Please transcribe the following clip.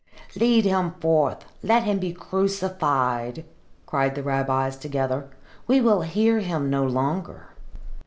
"Lead him forth! Let him be crucified!" cried the rabbis together. "We will hear him no longer."